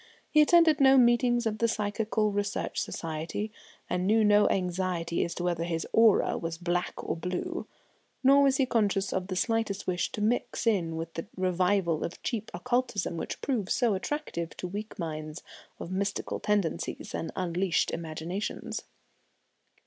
He attended no meetings of the Psychical Research Society, and knew no anxiety as to whether his "aura" was black or blue; nor was he conscious of the slightest wish to mix in with the revival of cheap occultism which proves so attractive to weak minds of mystical tendencies and unleashed imaginations.